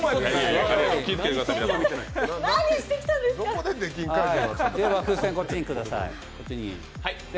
では風船、こっちにください。